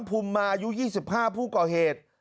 ภูมิมาอายุ๒๕ผู้ก่อเหตุ